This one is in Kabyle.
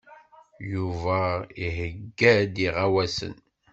Yuba iheyya-d iɣawasen.